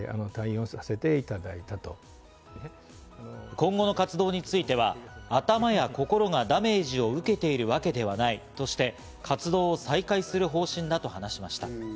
今後の活動については、頭や心がダメージを受けているわけではないとして、活動を再開する方針だと話しました。